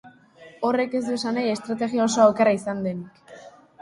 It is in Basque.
Horrek ez du esan nahi estrategia osoa okerra izan denik.